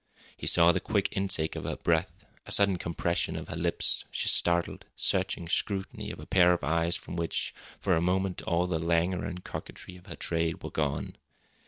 He saw the quick intake of her breath, a sudden compression of her lips, the startled, searching scrutiny of a pair of eyes from which, for a moment, all the languor and coquetry of her trade were gone.